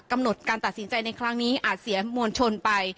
กำหนดการตัดสินใจในครั้งนี้อาจเสียมวลชนไป